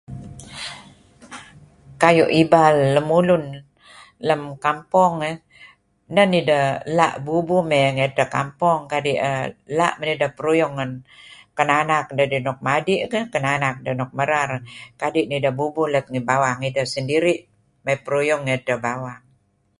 ka'yu ibal lemulun lem kampung eh neh nideh la bubuh me' ngi seh kampung kadi um la ideh peruyung kinanak ideh nuk madi kinanak ideh nuk merar kadi neh ideh bubuh let ngi bawang ideh sendiri me' peruyung ngi seh bawang